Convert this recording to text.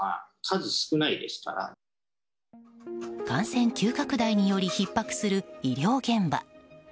感染急拡大によりひっ迫する医療現場。